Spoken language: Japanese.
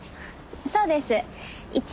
そうです一応。